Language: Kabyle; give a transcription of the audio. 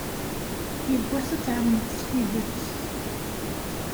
Yiwwas ad tɛelmeḍ s tidet.